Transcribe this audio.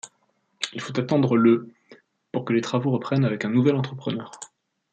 Il faut attendre le pour que les travaux reprennent avec un nouvel entrepreneur.